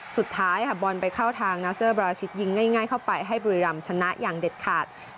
สุดท้ายค่ะบอลไปเข้าทางนาเซอร์บราชิตยิงง่ายเข้าไปให้บุรีรำชนะอย่างเด็ดขาด